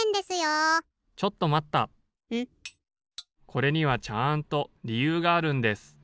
・これにはちゃんとりゆうがあるんです。